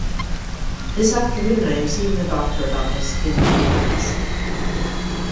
This afternoon I am seeing the doctor about my skin problems.